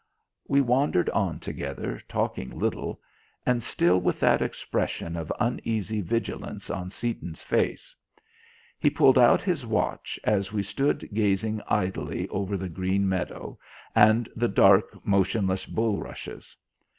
We wandered on together, talking little, and still with that expression of uneasy vigilance on Seaton's face. He pulled out his watch as we stood gazing idly over the green meadow and the dark motionless bulrushes.